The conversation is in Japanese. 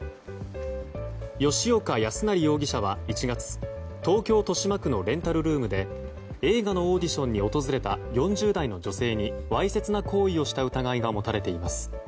吉岡康成容疑者は１月東京・豊島区のレンタルルームで映画のオーディションに訪れた４０代の女性にわいせつな行為をした疑いが持たれています。